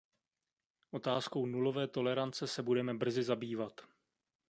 Otázkou nulové tolerance se budeme brzy zabývat.